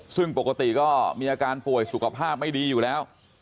ซึ่งปกติก็มีอาการป่วยสุขภาพไม่ดีอยู่แล้ว